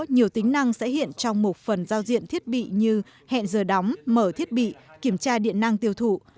nhiều tính năng sẽ hiện trong một phần giao diện thiết bị như hẹn giờ đóng mở thiết bị kiểm tra điện năng tiêu thụ